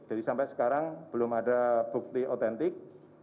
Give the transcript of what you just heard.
jadi sampai sekarang belum ada bukti otentik